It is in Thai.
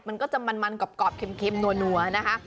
มันก็จะมันกรอบเค็มนัวนะคะ